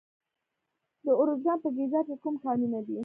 د ارزګان په ګیزاب کې کوم کانونه دي؟